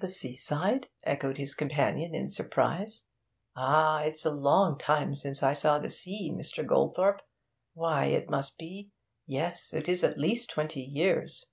'The seaside?' echoed his companion, in surprise. 'Ah, it's a long time since I saw the sea, Mr. Goldthorpe. Why, it must be yes, it is at least twenty years.'